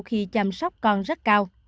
khi chăm sóc con rất cao